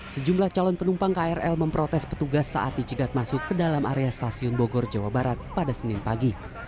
sejumlah calon penumpang krl memprotes petugas saat dicegat masuk ke dalam area stasiun bogor jawa barat pada senin pagi